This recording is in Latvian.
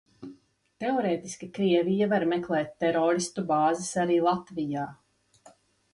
Teorētiski Krievija var meklēt teroristu bāzes arī Latvijā.